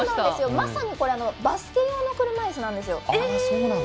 まさにバスケ用の車いすなんです。